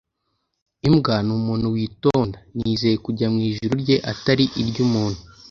imbwa ni umuntu witonda; nizeye kujya mu ijuru rye atari iry'umuntu